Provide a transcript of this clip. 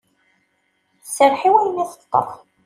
Tserreḥ i wayen i teṭṭef.